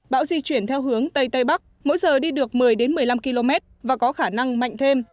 bão di chuyển theo hướng tây tây bắc mỗi giờ đi được một mươi một mươi năm km và có khả năng mạnh thêm